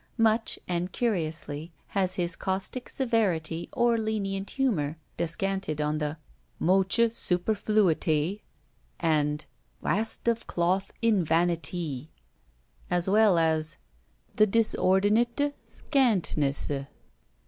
Much, and curiously, has his caustic severity or lenient humour descanted on the "moche superfluitee," and "wast of cloth in vanitee," as well as "the disordinate scantnesse."